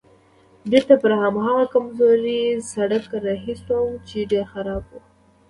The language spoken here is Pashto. بېرته پر هماغه کمزوري سړک رهي شوم چې ډېر خراب و.